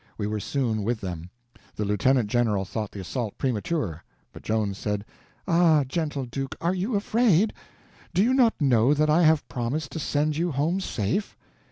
We were soon with them. The Lieutenant General thought the assault premature. But Joan said: "Ah, gentle duke, are you afraid? Do you not know that I have promised to send you home safe?"